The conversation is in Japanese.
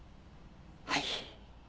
はい。